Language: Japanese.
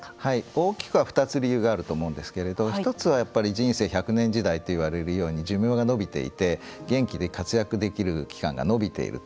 大きくは２つ理由があると思うんですけど１つは人生１００年時代といわれるように寿命が延びていて元気に活躍できる期間が伸びていると。